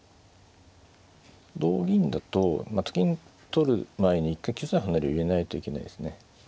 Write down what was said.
同銀だとと金取る前に一回９三歩成を入れないといけないですね。